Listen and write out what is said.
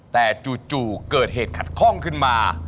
แต่จู่เกิดเหตุขัดข้องขึ้นมา